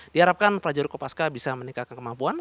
diharapkan prajurit kopaska bisa meningkatkan kemampuan